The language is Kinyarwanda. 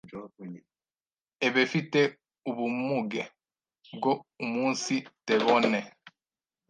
ebefite ubumuge bwo umunsitebone